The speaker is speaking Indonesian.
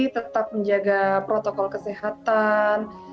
tetap menjaga protokol kesehatan